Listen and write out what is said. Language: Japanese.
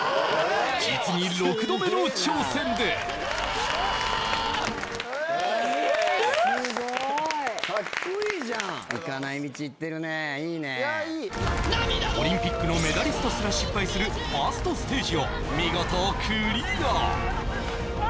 実に６度目の挑戦でイエーイ・すごーいいいねオリンピックのメダリストすら失敗するファーストステージを見事クリア